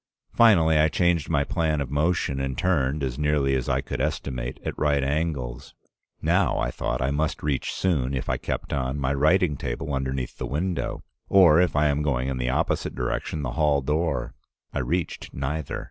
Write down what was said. Finally I changed my plan of motion and turned, as nearly as I could estimate, at right angles. Now, I thought, I must reach soon, if I kept on, my writing table underneath the window; or, if I am going in the opposite direction, the hall door. I reached neither.